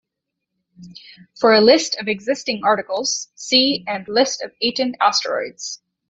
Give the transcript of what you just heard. For a list of existing articles, "see and List of Aten asteroids".